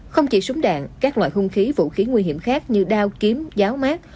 không chỉ súng đạn các loại hung khí vũ khí nguy hiểm khác như đao kiếm giáo mát